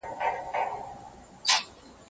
ماشوم د مور له مينې ځواک اخلي.